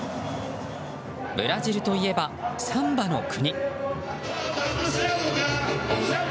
ブラジルといえばサンバの国。